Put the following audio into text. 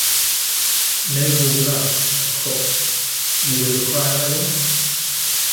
Noble blood, of course, you would require, my Lord?